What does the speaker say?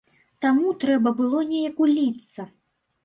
Таму трэба было неяк уліцца.